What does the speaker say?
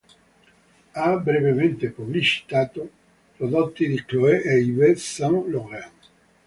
Ha brevemente pubblicizzato prodotti di Chloé e Yves Saint Laurent.